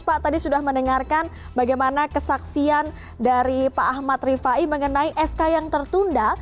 pak tadi sudah mendengarkan bagaimana kesaksian dari pak ahmad rifai mengenai sk yang tertunda